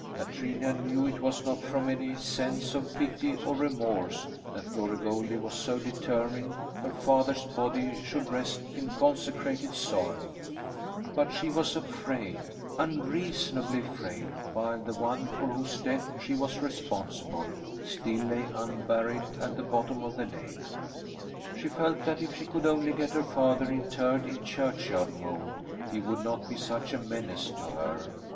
Katrina knew it was not from any sense of pity or remorse that Glory Goldie was so determined her father's body should rest in consecrated soil, but she was afraid, unreasonably afraid while the one for whose death she was responsible still lay unburied at the bottom of the lake. She felt that if she could only get her father interred in churchyard mould he would not be such a menace to her.